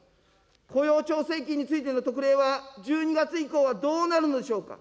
雇用調整金についての特例は１２月以降はどうなるのでしょうか。